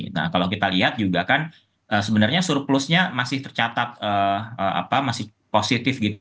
nah kalau kita lihat juga kan sebenarnya surplusnya masih tercatat masih positif